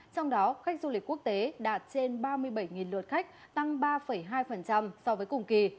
trong đó khách du lịch quốc tế đạt trên ba mươi bảy lượt khách tăng ba hai so với cùng kỳ